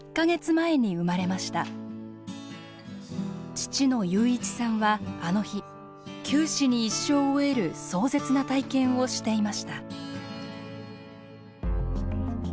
父の祐一さんはあの日九死に一生を得る壮絶な体験をしていました。